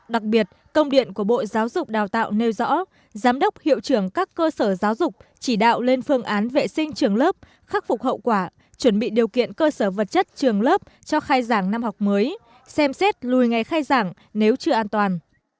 đặc biệt công điện của bộ giáo dục đào tạo nêu rõ giám đốc hiệu trưởng các cơ sở giáo dục chỉ đạo lên phương án vệ sinh trường lớp khắc phục hậu quả chuẩn bị điều kiện cơ sở vật chất trường lớp cho khai giảng năm học mới xem xét lùi ngay khai giảng nếu chưa an toàn